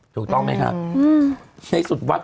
ถูกต้องไหมคะในสุดวัด